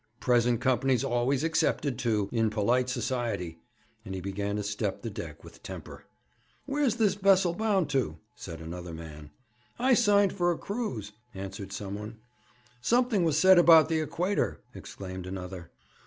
Present company's always excepted, too, in polite society;' and he began to step the deck with temper. 'Where's this vessel bound to?' said another man. 'I signed for a cruise,' answered someone. 'Something was said about the Equator,' exclaimed another.